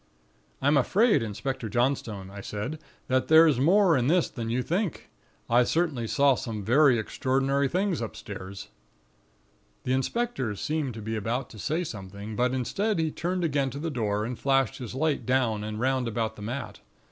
"'I'm afraid, Inspector Johnstone,' I said, 'that there's more in this than you think. I certainly saw some very extraordinary things upstairs.' "The inspector seemed about to say something; but instead, he turned again to the door, and flashed his light down and 'round about the mat.